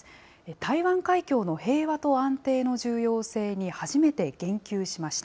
台湾海峡の平和と安定の重要性に初めて言及しました。